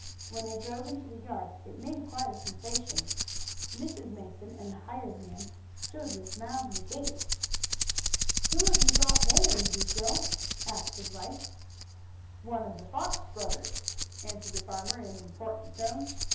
When they drove into the yard it made quite a sensation. Mrs. Mason and the hired man stood with mouths agape. "Who have you got there, Ezekiel?" asked his wife. "One of the Fox brothers!" answered the farmer in an important tone.